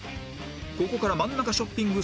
ここから真ん中ショッピング成功者を